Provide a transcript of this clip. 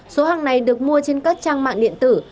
số hàng này được mua trên các trang mạng điện tử